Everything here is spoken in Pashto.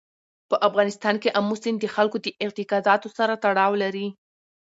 په افغانستان کې آمو سیند د خلکو د اعتقاداتو سره تړاو لري.